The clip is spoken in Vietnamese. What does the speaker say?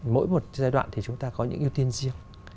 mỗi một giai đoạn thì chúng ta có những ưu tiên riêng